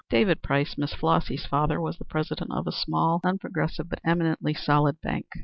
David Price, Miss Flossy's father, was the president of a small and unprogressive but eminently solid bank.